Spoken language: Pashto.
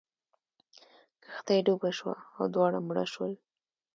کښتۍ ډوبه شوه او دواړه مړه شول.